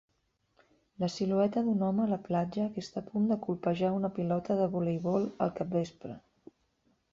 La silueta d'un home a la platja que està a punt de colpejar una pilota de voleibol al capvespre.